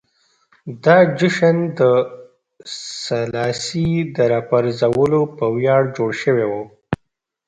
دا جشن د سلاسي د راپرځولو په ویاړ جوړ شوی و.